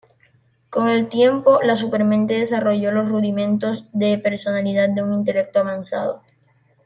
Con el tiempo, la Supermente desarrolló los rudimentos de personalidad de un intelecto avanzado.